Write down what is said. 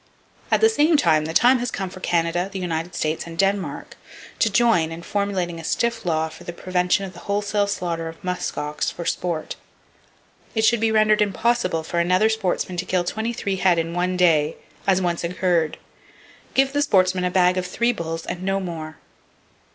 At the same time, the time has come for Canada, the United States and Denmark to join in formulating a stiff law for the prevention of wholesale slaughter of musk ox for sport. It should be rendered impossible for another sportsman to kill twenty three head in one day, as once occurred. Give the sportsman a bag of three bulls, and no more.